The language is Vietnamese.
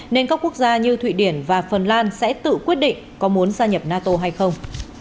nên các quốc gia như thụy điển và phần lan sẽ tự quyết định có muốn gia nhập nato hay không